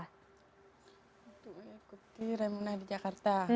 untuk ikut raimu nasional di jakarta